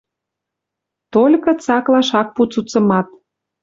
Толькы цаклаш ак пу цуцымат.